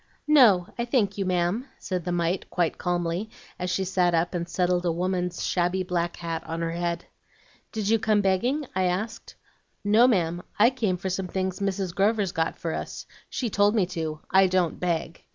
"'No, I thank you, ma'am,' said the mite quite calmly, as she sat up and settled a woman's shabby black hat on her head. "'Did you come begging?' I asked. "'No, ma'am, I came for some things Mrs. Grover's got for us. She told me to. I don't beg.'